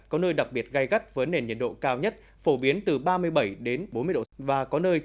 có nơi đặc biệt gai gắt với nền nhiệt độ cao nhất phổ biến từ ba mươi bảy đến bốn mươi độ c và có nơi trên bốn mươi độ c